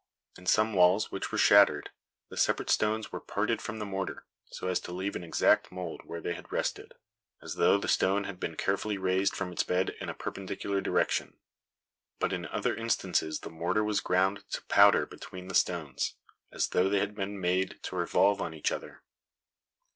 In some walls which were shattered, the separate stones were parted from the mortar, so as to leave an exact mold where they had rested, as though the stone had been carefully raised from its bed in a perpendicular direction; but in other instances the mortar was ground to powder between the stones, as though they had been made to revolve on each other.